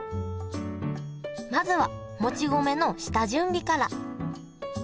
まずはもち米の下準備から。